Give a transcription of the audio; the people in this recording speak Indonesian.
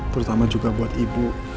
terutama juga buat ibu